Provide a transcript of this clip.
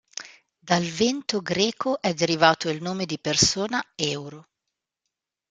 Dal vento greco è derivato il nome di persona Euro.